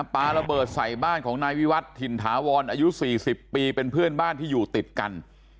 ปลาระเบิดใส่บ้านของนายวิวัฒน์ถิ่นถาวรอายุ๔๐ปีเป็นเพื่อนบ้านที่อยู่ติดกัน